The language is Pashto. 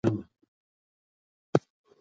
پر مخلوق رحم کوه چې پر تا رحم وشي.